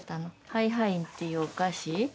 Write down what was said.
ハイハインっていうお菓子。